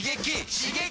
刺激！